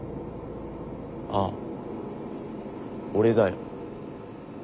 ああ俺だよ。